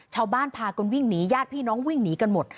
ชาวบ้านพากันวิ่งหนีญาติพี่น้องวิ่งหนีกันหมด